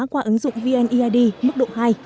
qua ứng dụng vneid mức độ hai